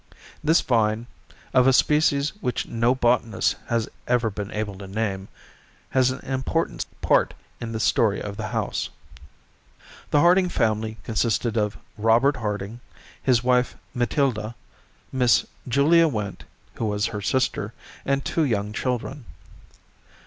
This vine—of a species which no botanist has ever been able to name—has an important part in the story of the house. The Harding family consisted of Robert Harding, his wife Matilda, Miss Julia Went, who was her sister, and two young children.